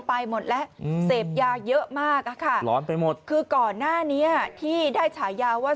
ไปหมดและเสพยาเยอะมากค่ะคือก่อนหน้านี้ที่ได้ฉายาวว่า